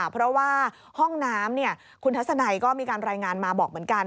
เพราะว่าห้องน้ำคุณทัศนัยก็มีการรายงานมาบอกเหมือนกัน